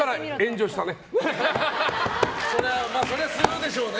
それはするでしょうね。